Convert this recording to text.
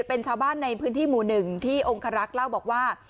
เป็นชาวบ้านในพื้นที่หมู่๑ที่องคารักษ์เล่าบอกว่า